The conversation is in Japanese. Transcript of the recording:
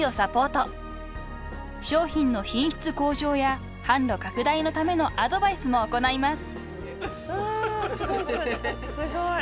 ［商品の品質向上や販路拡大のためのアドバイスも行います］